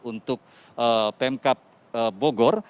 untuk pemkap bogor